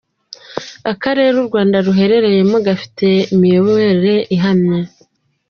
Akarereu Rwanda ruherereyemo, gafite imiyoborere ihamye.